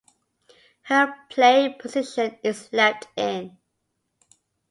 Her playing position is left in.